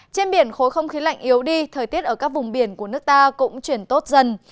trên biển khối không khí lạnh yếu đi thời tiết ở các vùng biển của nước ta cũng chuyển tốt dần